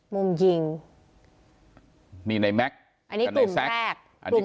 มุมยิงมีไนแม็กกับไนแซคอันนี้กลุ่มแรก